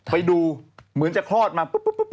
ไปดูเหมือนจะคลอดมา